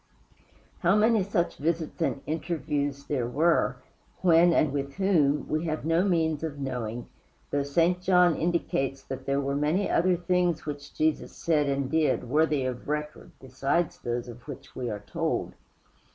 How many such visits and interviews there were when and with whom we have no means of knowing, though St. John indicates that there were many other things which Jesus said and did worthy of record besides those of which we are told.